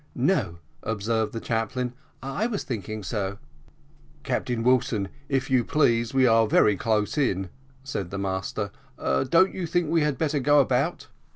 "No," observed the chaplain, "I was thinking so." "Captain Wilson, if you please, we are very close in," said the master: "don't you think we had better go about?"